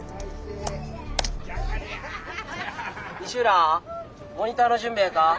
「西浦モニターの準備ええか？」。